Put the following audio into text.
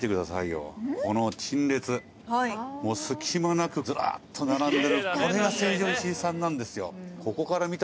はいもう隙間なくズラッと並んでるこれが成城石井さんなんですよ